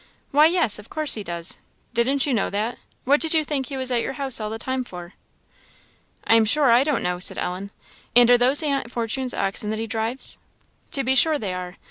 "Why, yes, of course he does; didn't you know that? what did you think he was at your house all the time for?" "I am sure I don't know," said Ellen. "And are those Aunt Fortune's oxen that he drives?" "To be sure they are.